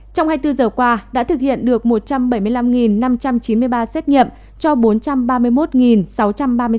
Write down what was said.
trong hai mươi bốn giờ qua đã thực hiện được một trăm bảy mươi năm năm trăm chín mươi ba xét nghiệm cho bốn trăm ba mươi một sáu trăm ba mươi ca